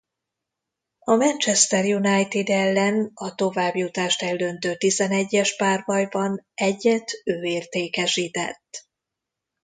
A Manchester United ellen a továbbjutást eldöntő tizenegyes párbajban egyet ő értékesített.